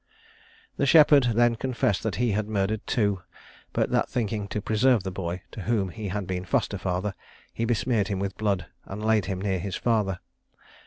The shepherd then confessed that he had murdered two; but that thinking to preserve the boy, to whom he had been foster father, he besmeared him with blood, and laid him near his father.